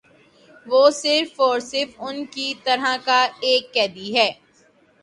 وہ صرف اور صرف ان کی طرح کا ایک قیدی ہے ا